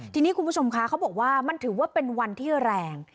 ทีนี้คุณผู้ชมคะเขาบอกว่ามันถือว่าเป็นวันที่แรง